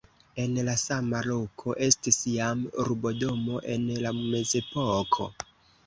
En la sama loko estis jam urbodomo en la mezepoko.